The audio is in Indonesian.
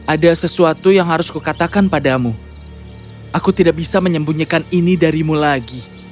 ada sesuatu yang harus kukatakan padamu aku tidak bisa menyembunyikan ini darimu lagi